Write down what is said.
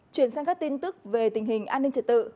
chuyển sang các tin tức về tình hình an ninh trật tự